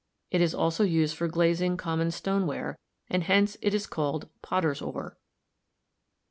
It is also used for glazing common stoneware, and hence it is called potter's ore.